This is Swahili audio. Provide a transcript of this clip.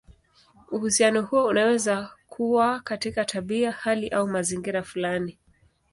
Uhusiano huo unaweza kuwa katika tabia, hali, au mazingira fulani.